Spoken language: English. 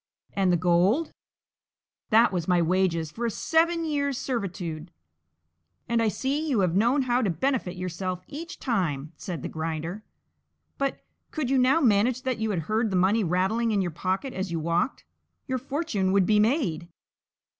"And the gold?" "That was my wages for a seven years' servitude." "And I see you have known how to benefit yourself each time," said the Grinder; "but, could you now manage that you heard the money rattling in your pocket as you walked, your fortune would be made."